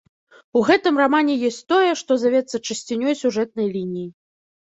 У гэтым рамане ёсць тое, што завецца чысцінёй сюжэтнай лініі.